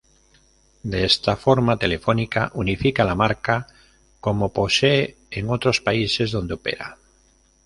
De esa forma Telefónica unifica la marca como posee en otro países donde opera.